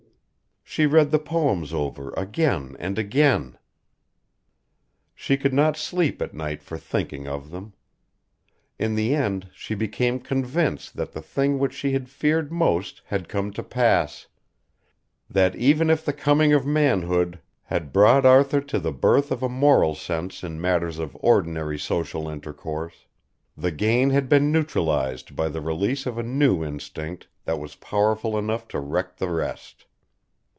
She read the poems over again and again. She could not sleep at night for thinking of them. In the end she became convinced that the thing which she had feared most had come to pass; that even if the coming of manhood had brought to Arthur the birth of a moral sense in matters of ordinary social intercourse, the gain had been neutralised by the release of a new instinct that was powerful enough to wreck the rest.